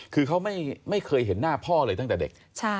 คือเขาไม่เคยเห็นหน้าพ่อเลยตั้งแต่เด็ก